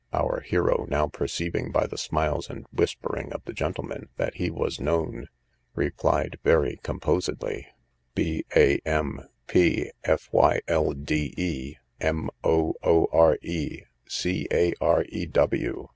Our hero now perceiving, by the smiles and whispering of the gentlemen, that he was known, replied very composedly, B, a, m, p, f, y, l, d, e, M, o, o, r, e, C, a, r, e, w.